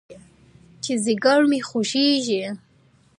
چې ځيگر مې خوږېږي.